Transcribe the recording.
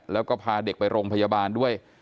แล้วก็พาเด็กไปโรงพยาบาลด้วย